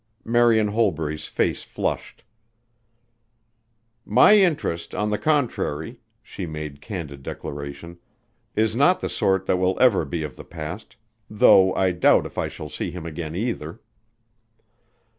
Marian Holbury's face flushed. "My interest, on the contrary," she made candid declaration, "is not the sort that will ever be of the past, though I doubt if I shall see him again, either."